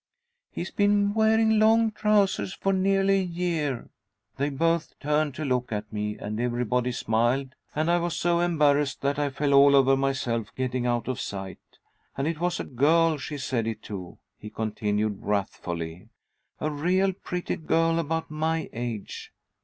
He's been wearing long trousers for nearly a year.' They both turned to look at me, and everybody smiled, and I was so embarrassed that I fell all over myself getting out of sight. And it was a girl she said it to," he continued, wrathfully. "A real pretty girl, about my age.